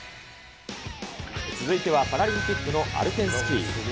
続いてはパラリンピックのアルペンスキー。